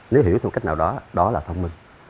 nếu hiểu theo cách nào đó đó là thông minh